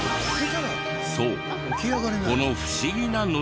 そう。